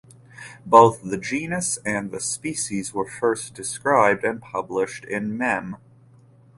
Both the genus and the species were first described and published in Mem.